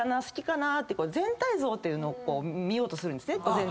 好きかなって全体像というのを見ようとするんですね。